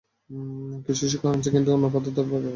কিছু শিক্ষক আনছি, কিন্তু অন্য পথে তাঁরা তদবির করে চলে যাচ্ছেন।